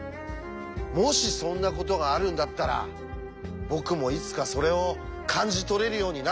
もしそんなことがあるんだったら僕もいつかそれを感じ取れるようになってみたい。